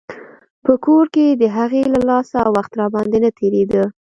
په کور کښې د هغې له لاسه وخت راباندې نه تېرېده.